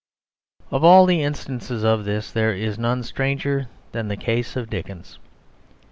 Of all the instances of this there is none stranger than the case of Dickens.